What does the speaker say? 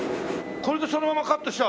これでそのままカットしちゃう？